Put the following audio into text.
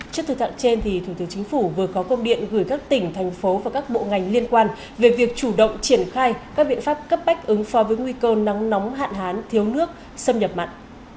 trước thực trạng trên thủ tướng chính phủ vừa có công điện gửi các tỉnh thành phố và các bộ ngành liên quan về việc chủ động triển khai các biện pháp cấp bách ứng pho với nguy cơ nắng nóng hạn hán thiếu nước xâm nhập mặn